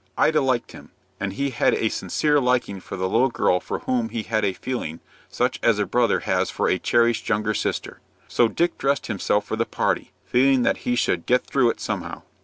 Ida liked him, and he had a sincere liking for the little girl for whom he had a feeling such as a brother has for a cherished younger sister. So Dick dressed himself for the party, feeling that he should "get through it somehow."